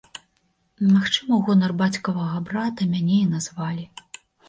Магчыма, у гонар бацькавага брата мяне і назвалі.